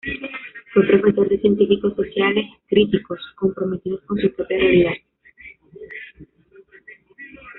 Fue profesor de científicos sociales críticos, comprometidos con su propia realidad.